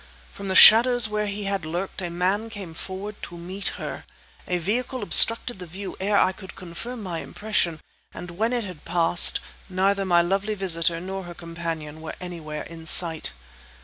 From the shadows where he had lurked, a man came forward to meet her. A vehicle obstructed the view ere I could confirm my impression; and when it had passed, neither my lovely visitor nor her companion were anywhere in sight.